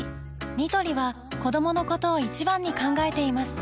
ニトリは子どものことを一番に考えています